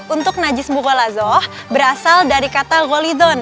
untuk najis mukolazoh berasal dari kata golidon